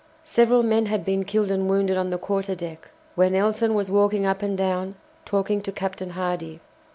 Several men had been killed and wounded on the quarter deck, where Nelson was walking up and down talking to Captain Hardy.